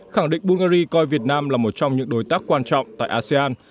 khẳng định bungary coi việt nam là một trong những đối tác quan trọng tại asean